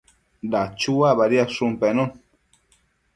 Dachua badiadshun pennu